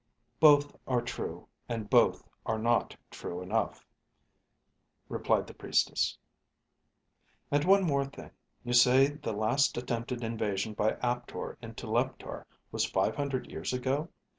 "Both are true, and both are not true enough," replied the priestess. "And one more thing. You say the last attempted invasion by Aptor into Leptar was five hundred years ago?